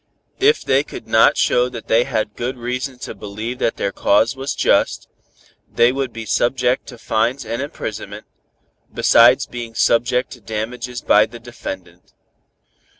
If they could not show that they had good reason to believe that their cause was just, they would be subject to fines and imprisonment, besides being subject to damages by the defendant.